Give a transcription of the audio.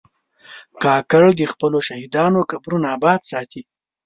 کاکړ د خپلو شهیدانو قبرونه آباد ساتي.